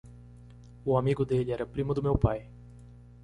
O amigo dele era primo do meu pai.